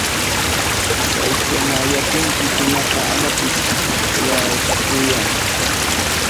Sayk'uyapunki hinaqa amañapis ruwaychuya!